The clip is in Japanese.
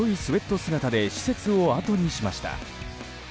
姿で施設をあとにしました。